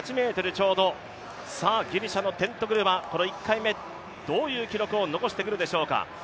ちょうど、ギリシャのテントグルはこの１回目、どういう記録を残してくるでしょうか。